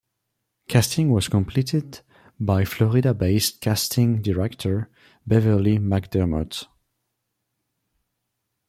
Casting was completed by Florida-based casting director, Beverly McDermott.